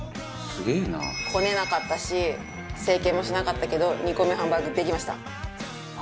こねなかったし成形もしなかったけど煮込みハンバーグできました。